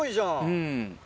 うん。